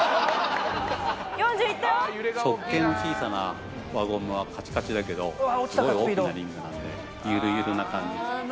直径の小さな輪ゴムはカチカチだけどすごい大きなリングなんでゆるゆるな感じ。